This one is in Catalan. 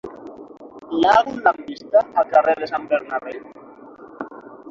Hi ha algun lampista al carrer de Sant Bernabé?